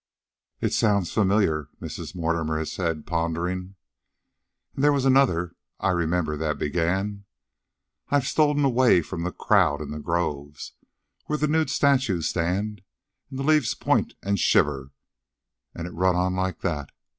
"It sounds familiar," Mrs. Mortimer said, pondering. "And there was another I remember that began: "'I've stolen away from the crowd in the groves, Where the nude statues stand, and the leaves point and shiver,' "And it run on like that.